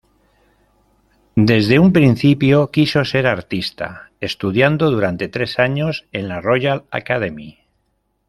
Desde un principio quiso ser artista, estudiando durante tres años en la Royal Academy.